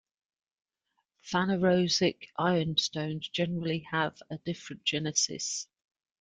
Phanerozoic ironstones generally have a different genesis.